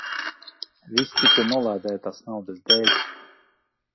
Viss tikai nolādētās naudas dēļ.